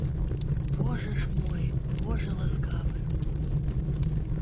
Божа ж мой, божа ласкавы!